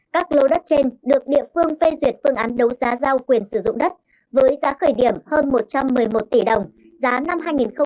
các lô đất trên được địa phương phê duyệt phương án đấu giá giao quyền sử dụng đất với giá khởi điểm hơn một trăm một mươi một tỷ đồng giá năm hai nghìn một mươi chín